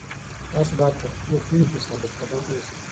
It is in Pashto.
تاسو باید په خپلو پرېکړو کي ثابت قدم اوسئ.